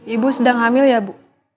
ibu sedang hamil ya bu